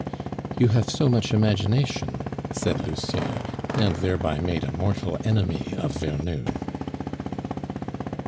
"You have so much imagination!" said Lucien, and thereby made a mortal enemy of Vernou.